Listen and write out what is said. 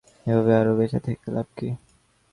এভাবে আরো বেঁচে থেকে লাভ কী?